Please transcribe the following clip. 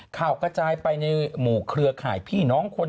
กระจายไปในหมู่เครือข่ายพี่น้องคน